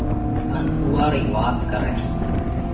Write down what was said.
ان اُوئا رئي وات ڪرئھ۔